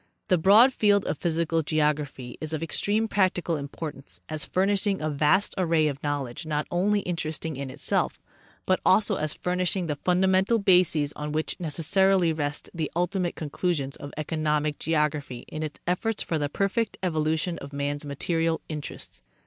The broad field of physical geography is of extreme practical importance as furnishing a vast array of Knowledge not only in teresting in itself, but also as furnishing the fundamental bases on which necessarily rest the ultimate conclusions of economic geography in its efforts for the perfect evolution of man's material interests.